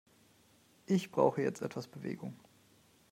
Ich brauche jetzt etwas Bewegung.